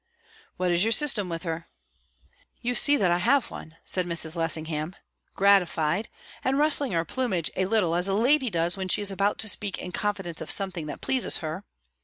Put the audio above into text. "What is your system with her?" "You see that I have one," said Mrs. Lessingham, gratified, and rustling her plumage a little as a lady does when she is about to speak in confidence of something that pleases her.